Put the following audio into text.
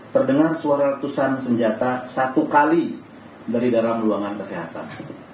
terdengar suara letusan senjata satu kali dari dalam ruangan kesehatan